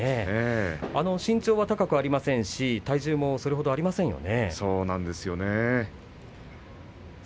身長は高くありませんし体重もそれほどありませんよね。